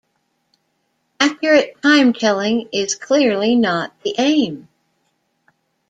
Accurate timetelling is clearly not the aim.